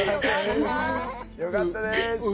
よかったです。